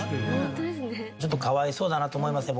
ちょっとかわいそうだなと思いますね。